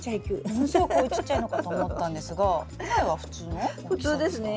ものすごくちっちゃいのかと思ったんですが苗は普通の大きさですか？